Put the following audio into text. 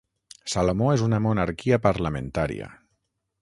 Salomó és una monarquia parlamentària.